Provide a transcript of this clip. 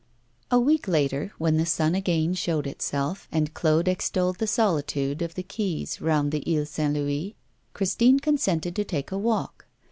A week later, when the sun again showed itself, and Claude extolled the solitude of the quays round the Isle Saint Louis, Christine consented to take a walk.